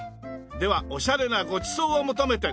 ではオシャレなごちそうを求めて！